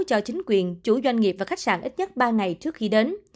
cho chính quyền chủ doanh nghiệp và khách sạn ít nhất ba ngày trước khi đến